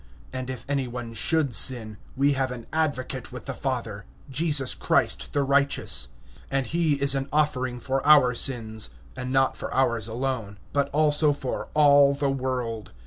And if any one have sinned, we have an advocate with the Father, Jesus Christ the righteous. (2)And he is a propitiation for our sins; and not for ours only, but also for the whole world.